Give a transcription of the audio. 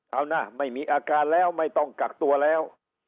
เอานะไม่มีอาการแล้วไม่ต้องกักตัวแล้ว